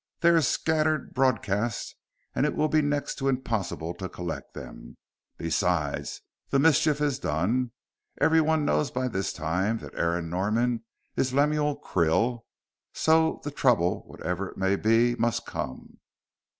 They are scattered broadcast, and it will be next to impossible to collect them. Besides, the mischief is done. Everyone knows by this time that Aaron Norman is Lemuel Krill, so the trouble whatever it may be, must come."